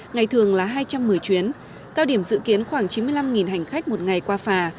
ngày thường là hai trăm một mươi chuyến cao điểm dự kiến khoảng chín mươi năm hành khách một ngày qua phà